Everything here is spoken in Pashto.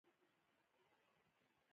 د روسانو علاقه په ګاز او تیلو کې شته؟